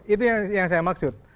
itu yang saya maksud